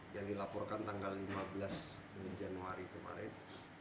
yang dilaporkan tanggal lima belas januari kemarin